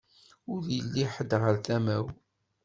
Ur yelli ḥed ɣer tama-w.